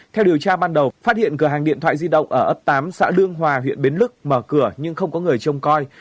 theo điều tra ban đầu phát hiện cửa hàng điện thoại di động ở ấp tám xã lương hòa huyện bến lức mở cửa nhưng không có người trông coi